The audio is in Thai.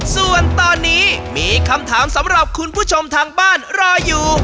ส่วนตอนนี้มีคำถามสำหรับคุณผู้ชมทางบ้านรออยู่